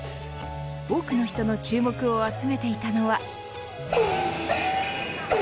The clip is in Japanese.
多くの人の注目を集めていたのは。